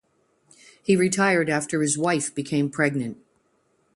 He retired after his wife became pregnant.